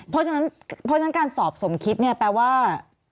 เพราะฉะนั้นการสอบสมคิดแปลว่า